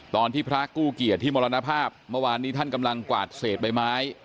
พระกู้เกียรติที่มรณภาพเมื่อวานนี้ท่านกำลังกวาดเศษใบไม้